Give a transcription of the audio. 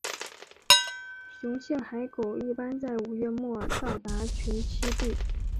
雄性海狗一般在五月末到达群栖地。